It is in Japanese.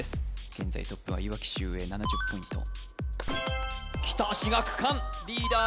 現在トップはいわき秀英７０ポイントきた志學館リーダー